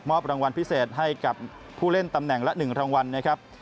รางวัลพิเศษให้กับผู้เล่นตำแหน่งละ๑รางวัลนะครับ